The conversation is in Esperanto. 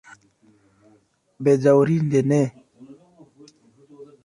Bedaŭrinde ne.